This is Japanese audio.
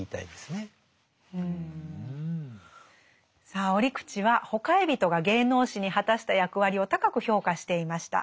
さあ折口はほかひびとが芸能史に果たした役割を高く評価していました。